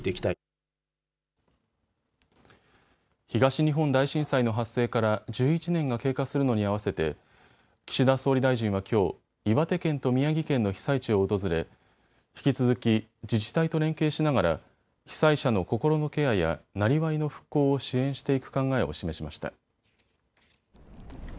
東日本大震災の発生から１１年が経過するのに合わせて岸田総理大臣はきょう、岩手県と宮城県の被災地を訪れ、引き続き自治体と連携しながら被災者の心のケアや、なりわいの復興を支援していく考えを示しました。